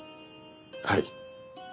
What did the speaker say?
はい。